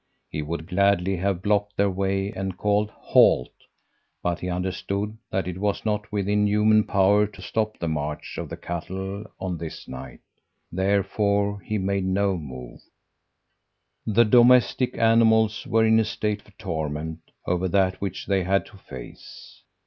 He would gladly have blocked their way and called 'Halt!' but he understood that it was not within human power to stop the march of the cattle on this night; therefore he made no move. "The domestic animals were in a state of torment over that which they had to face.